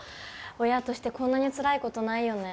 親としてこんなにつらい事ないよね。